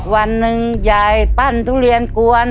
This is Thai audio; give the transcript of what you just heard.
วันหนึ่งยายปั้นทุเรียนกวน